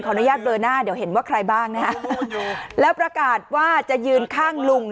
อนุญาตเบลอหน้าเดี๋ยวเห็นว่าใครบ้างนะฮะแล้วประกาศว่าจะยืนข้างลุง